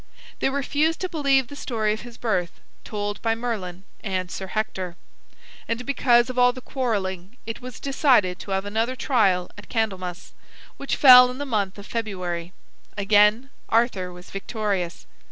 They refused to believe the story of his birth told by Merlin and Sir Hector. And because of all the quarreling, it was decided to have another trial at Candlemas, which fell in the month of February. Again Arthur was victorious.